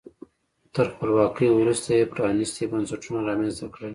تر خپلواکۍ وروسته یې پرانیستي بنسټونه رامنځته کړل.